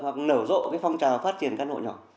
hoặc nở rộ cái phong trào phát triển căn hộ nhỏ